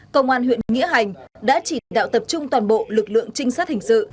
công an huyện nghĩa hành đã chỉ đạo tập trung toàn bộ lực lượng trinh sát hình sự